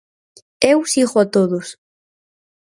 Eu sigo a todos.